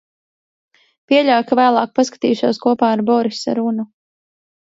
Pieļauju, ka vēlāk paskatīšos kopā ar Borisa runu.